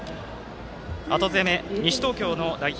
後攻め、西東京の代表